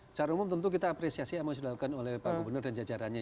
secara umum tentu kita apresiasi apa yang sudah dilakukan oleh pak gubernur dan jajarannya